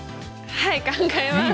はい考えます。